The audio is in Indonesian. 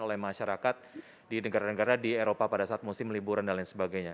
oleh masyarakat di negara negara di eropa pada saat musim liburan dan lain sebagainya